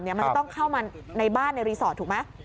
มันจะต้องเข้ามาในบ้านในรีสอร์ทถูกไหม